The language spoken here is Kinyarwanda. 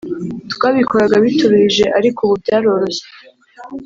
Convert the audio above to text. twabikoraga bituruhije ariko ubu byaroroshye